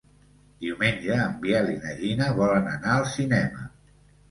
Diumenge en Biel i na Gina volen anar al cinema.